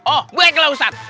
oh baiklah ustadz baik